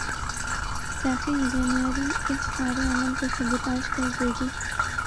'سیاسی انجینئرنگ‘ اس سارے عمل کو سبوتاژ کر دے گی۔